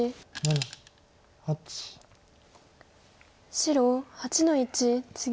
白８の一ツギ。